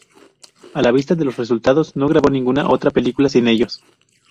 A la vista de los resultados, no grabó ninguna otra película sin ellos.